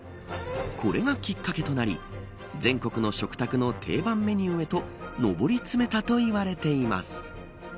これがきっかけとなり全国の食卓の定番メニューへと上り詰めたといわれています。